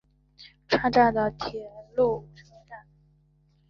串站的铁路车站。